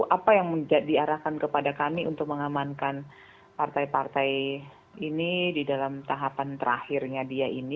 apa yang diarahkan kepada kami untuk mengamankan partai partai ini di dalam tahapan terakhirnya dia ini